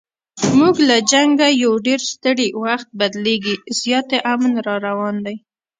موږ له جنګه یو ډېر ستړي، وخت بدلیږي زیاتي امن را روان دی